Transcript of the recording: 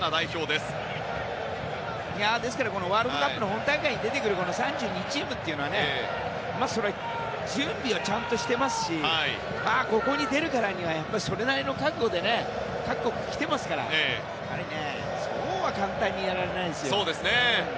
ですからワールドカップの本大会に出てくる３２チームはそれは準備をちゃんとしてますしここに出るからにはそれなりの覚悟で各国、来ていますからそう簡単にはやられないですよ。